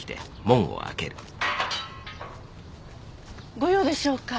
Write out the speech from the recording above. ・・ご用でしょうか？